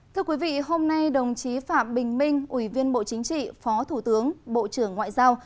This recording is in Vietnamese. thưa quý vị hôm nay đồng chí phạm bình minh ủy viên bộ chính trị phó thủ tướng bộ trưởng ngoại giao